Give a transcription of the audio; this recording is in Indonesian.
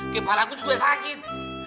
kepala ku juga sakit